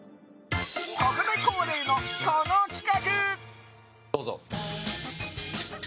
ここで恒例の、この企画。